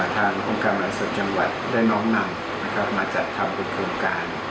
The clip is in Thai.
ทางโครงการบริษัทจังหวัดได้น้องนำมาจัดทำกลุ่มโครงการ